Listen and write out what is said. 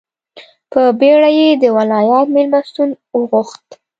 په بېړه یې د ولایت مېلمستون وغوښت.